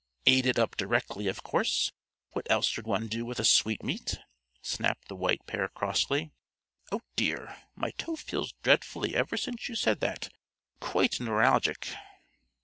"Ate it up directly, of course. What else should one do with a sweetmeat?" snapped the White Pair crossly. "Oh, dear! my toe feels dreadfully ever since you said that; quite neuralgic!"